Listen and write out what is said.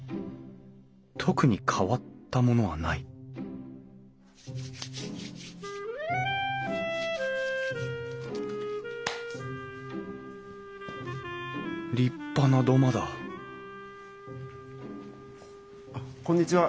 特に変わったものはない立派な土間だこんにちは。